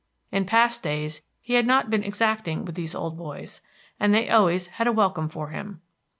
In past days he had not been exacting with these old boys, and they always had a welcome for him.